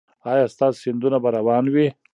ایا ستاسو سیندونه به روان وي؟